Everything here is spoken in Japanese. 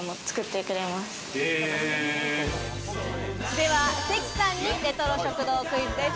では関さんにレトロ食堂クイズです。